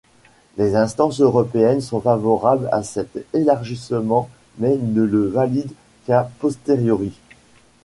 Les instances européennes sont favorables à cet élargissement mais ne le valident qu'a posteriori.